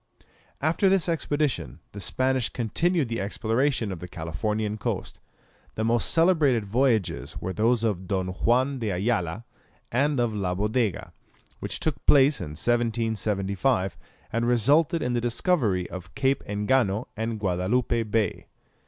After this expedition the Spanish continued the exploration of the Californian coast. The most celebrated voyages were those of Don Juan de Ayala and of La Bodega, which took place in 1775, and resulted in the discovery of Cape Engano and Guadalupe Bay.